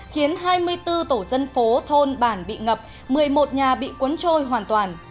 khiến hai mươi bốn tổ dân phố thôn bản bị ngập một mươi một nhà bị cuốn trôi hoàn toàn